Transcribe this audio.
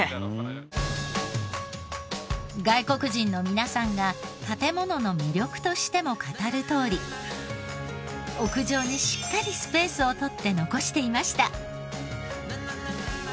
外国人の皆さんが建ものの魅力としても語るとおり屋上にしっかりスペースを取って残していました。